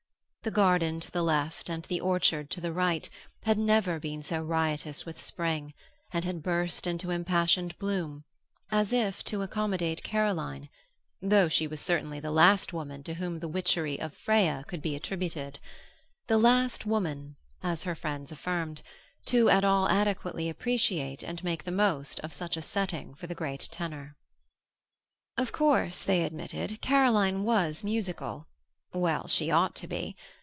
The garden to the left and the orchard to the right had never been so riotous with spring, and had burst into impassioned bloom, as if to accommodate Caroline, though she was certainly the last woman to whom the witchery of Freya could be attributed; the last woman, as her friends affirmed, to at all adequately appreciate and make the most of such a setting for the great tenor. Of course, they admitted, Caroline was musical well, she ought to be!